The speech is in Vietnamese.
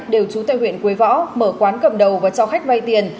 đều trú tại huyện quế võ mở quán cầm đầu và cho khách vay tiền